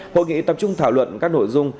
hội nghị tập trung thảo luận các nội dung